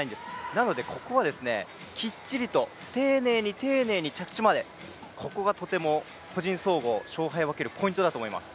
なのでここは、きっちりと丁寧に丁寧に着地まで、ここがとても個人総合、勝敗を分けるポイントだと思います。